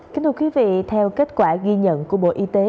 kính thưa quý vị theo kết quả ghi nhận của bộ y tế